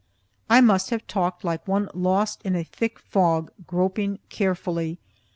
I must have talked like one lost in a thick fog, groping carefully.